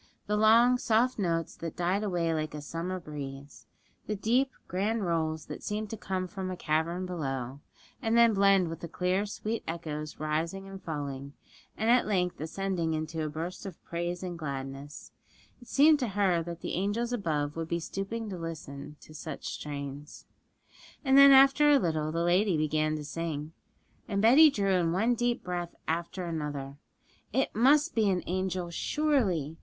The long, soft notes that died away like a summer breeze, the deep, grand rolls that seemed to come from a cavern below, and then blend with the clear, sweet echoes rising and falling, and at length ascending in a burst of praise and gladness it seemed to her that the angels above would be stooping to listen to such strains. And then, after a little, the lady began to sing; and Betty drew in one deep breath after another. It must be an angel, surely!